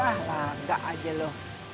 ah lah enggak aja lo